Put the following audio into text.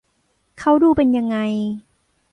เขาดูเป็นยังไง